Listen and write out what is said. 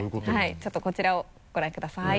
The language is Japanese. ちょっとこちらをご覧ください。